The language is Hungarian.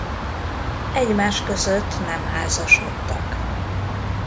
Egymás között nem házasodtak.